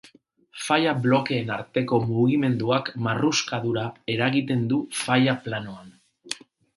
Faila-blokeen arteko mugimenduak marruskadura eragiten du faila-planoan.